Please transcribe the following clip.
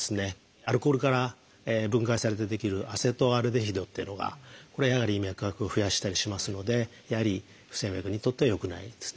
アルコールから分解されて出来る「アセトアルデヒド」っていうのがやはり脈拍を増やしたりしますのでやはり不整脈にとっては良くないですね。